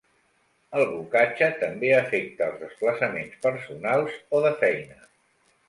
El blocatge també afecta els desplaçaments personals o de feina.